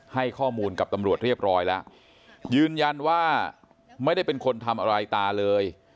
ให้ข้อมูลกับตำรวจเรียบร้อยแล้วยืนยันว่าไม่ได้เป็นคนทำอะไรตาเลย